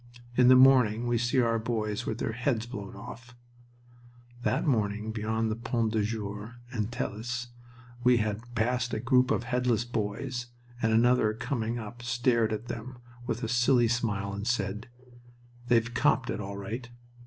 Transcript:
"In the morning we see boys with their heads blown off" that morning beyond the Point du Jour and Thelus we had passed a group of headless boys, and another coming up stared at them with a silly smile and said, "They've copped it all right!"